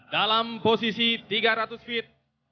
dalam posisi tiga ratus feet